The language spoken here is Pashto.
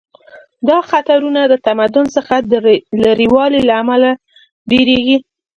دا خطرونه د تمدن څخه د لرې والي له امله ډیریږي